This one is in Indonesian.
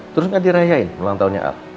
terus gak dirayain ulang tahunnya al